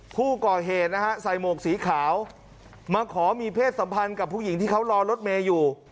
ผู้ก่อเหตุนะฮะใส่หมวกสีขาวมาขอมีเพศสัมพันธ์กับผู้หญิงที่เขารอรถเมย์อยู่